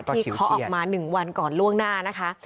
เคาะออกมา๑วันก่อนล่วงหน้านะคะ